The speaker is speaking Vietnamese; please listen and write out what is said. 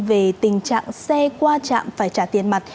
về tình trạng xe qua trạm phải trả tiền mặt